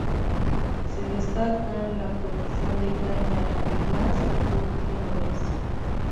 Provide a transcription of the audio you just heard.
Se destacan la producción de caña y las curtiembres.